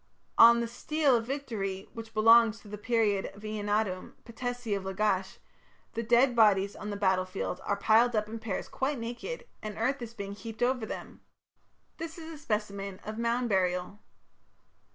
On the "stele of victory", which belongs to the period of Eannatum, patesi of Lagash, the dead bodies on the battlefield are piled up in pairs quite naked, and earth is being heaped over them; this is a specimen of mound burial.